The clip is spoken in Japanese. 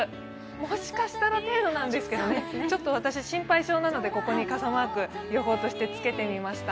もしかしたら程度なんですけど、ちょっと私心配性なのでここに傘マーク予報としてつけてみました。